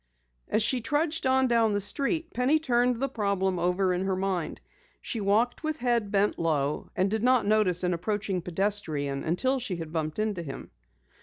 As she trudged on down the street Penny turned the problem over in her mind. She walked with head bent low and did not notice an approaching pedestrian until she had bumped into him.